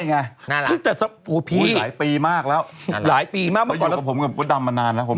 ไม่ใช่ไงหลายปีมากแล้วเขาอยู่กับผมกับพุทธดำมานานแล้วโฮมโปร